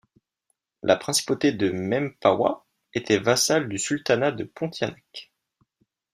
La principauté de Mempawah était vassale du sultanat de Pontianak.